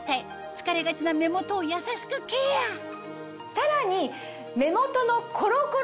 疲れがちな目元を優しくケアさらに。